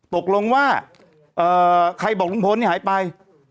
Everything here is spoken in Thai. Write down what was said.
ตกลงว่าเอ่อใครบอกลุงพลเนี่ยหายไป